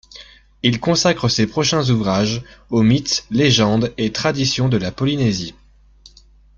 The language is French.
Il consacre ses prochains ouvrages aux mythes, légendes et traditions de la Polynésie.